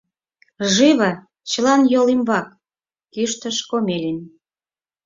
Живо, чылан йол ӱмбак! — кӱштыш Комелин.